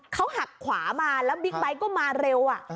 เขาหักขวามาแล้วบิ๊กไบท์ก็มาเร็ว